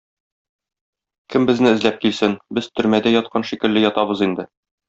Кем безне эзләп килсен, без төрмәдә яткан шикелле ятабыз инде.